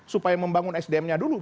supaya membangun sdm nya dulu